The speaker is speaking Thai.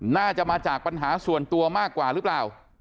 น่าจะมาจากปัญหาส่วนตัวมากกว่าหรือเปล่า